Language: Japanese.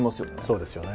そうですよね。